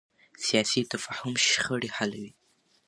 سیاسي تفاهم شخړې حلوي